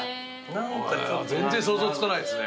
全然想像つかないっすね